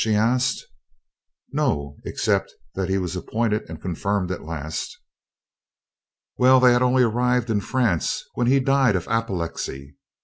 she asked. "No except that he was appointed and confirmed at last." "Well, they had only arrived in France when he died of apoplexy.